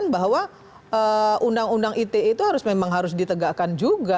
bahwa undang undang ite itu memang harus ditegakkan juga